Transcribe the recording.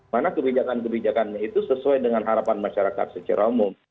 karena kebijakan kebijakannya itu sesuai dengan harapan masyarakat secara umum